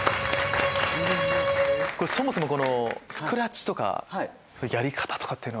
そもそもこのスクラッチとかやり方とかっていうのは？